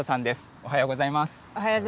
おはようございます。